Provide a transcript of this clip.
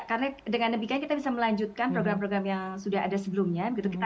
karena dengan demikian kita bisa melanjutkan program program yang sudah ada sebelumnya